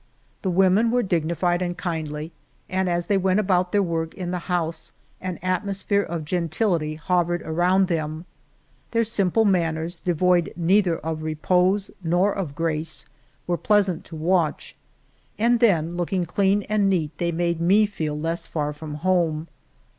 The women were dignified and kindly, and as they went about their work in the house an atmosphere of gentility hovered around 157 El Toboso them. Their simple manners, devoid neither of repose nor of grace, were pleasant to watch. And then looking clean and neat they made me feel less far from home.